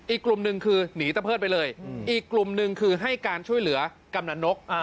อีกกลุ่มหนึ่งคือหนีตะเพิดไปเลยอีกกลุ่มหนึ่งคือให้การช่วยเหลือกำนันนก